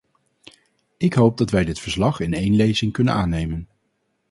Ik hoop dat wij dit verslag in één lezing kunnen aannemen.